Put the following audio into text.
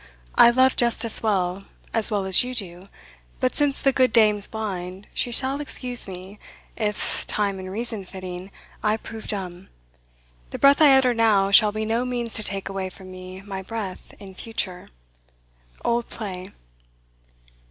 I love justice well as well as you do But since the good dame's blind, she shall excuse me If, time and reason fitting, I prove dumb; The breath I utter now shall be no means To take away from me my breath in future. Old Play.